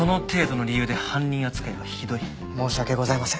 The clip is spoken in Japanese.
申し訳ございません。